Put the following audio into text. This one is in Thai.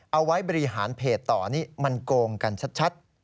เอาไว้บริหารเพจต่อนี่มันโกงกันชัด